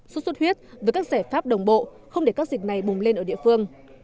xuất xuất huyết với các giải pháp đồng bộ không để các dịch này bùng lên ở địa phương